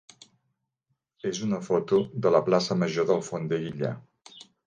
és una foto de la plaça major d'Alfondeguilla.